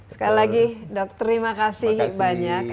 sekali lagi dok terima kasih banyak